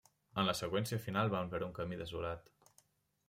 En la seqüència final van per un camí desolat.